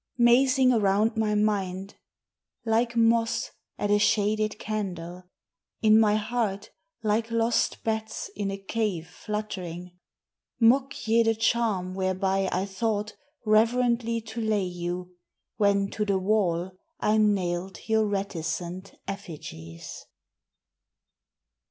Mazing around my mind like moths at a shaded candle, In my heart like lost bats in a cave fluttering, Mock ye the charm whereby I thought reverently to lay you, When to the wall I nail'd your reticent effigys?